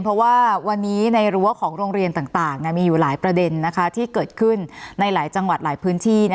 เพราะว่าวันนี้ในรั้วของโรงเรียนต่างมีอยู่หลายประเด็นที่เกิดขึ้นในหลายจังหวัดหลายพื้นที่